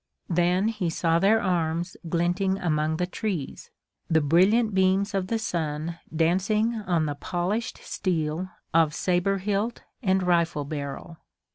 Then he saw their arms glinting among the trees, the brilliant beams of the sun dancing on the polished steel of saber hilt and rifle barrel.